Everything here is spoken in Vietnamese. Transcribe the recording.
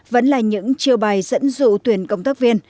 vẫn là những chiêu bài dẫn dụ tuyển công tác viên